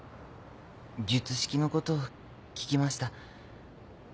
術式のこと聞きました。